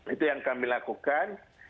itu yang kami lakukan